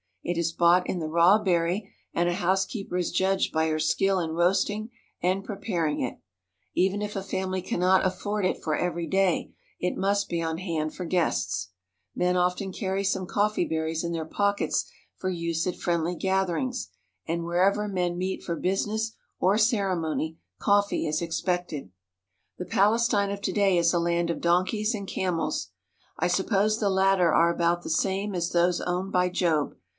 It is bought in the raw berry and a housekeeper is judged by her skill in roasting and preparing it. Even if a family cannot afford it for every day it must be on hand for guests. Men often carry some coffee berries in their pockets for 163 THE HOLY LAND AND SYRIA use at friendly gatherings, and wherever men meet for business or ceremony coffee is expected. The Palestine of to day is a land of donkeys and cam els. I suppose the latter are about the same as those owned by Job.